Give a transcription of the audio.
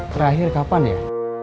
terakhir kapan ya